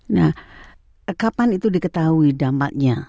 nah kapan itu diketahui dampaknya